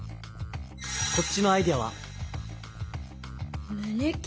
こっちのアイデアは。